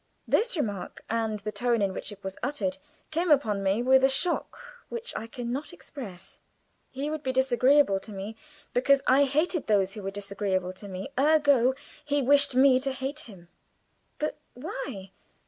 This remark, and the tone in which it was uttered, came upon me with a shock which I can not express. He would be disagreeable to me because I hated those who were disagreeable to me, ergo, he wished me to hate him. But why?